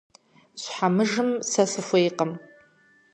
Щхьэмыжым сэ сыхуейкъым.